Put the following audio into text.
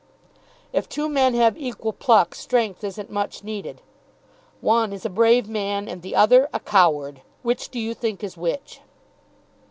"If two men have equal pluck, strength isn't much needed. One is a brave man, and the other a coward. Which do you think is which?"